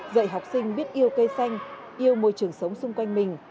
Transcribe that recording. dạy học sinh biết yêu cây xanh yêu môi trường sống xung quanh mình